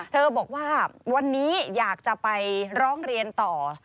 บอกว่าวันนี้อยากจะไปร้องเรียนต่อ